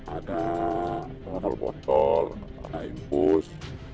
ada botol botol ada impus